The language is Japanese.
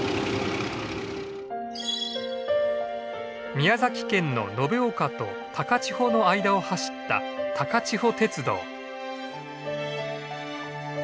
宮崎県の延岡と高千穂の間を走った高千穂鉄道。